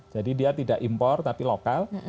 jadi dia tidak impor tapi lokal